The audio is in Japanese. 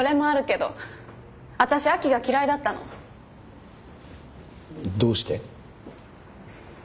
どうして？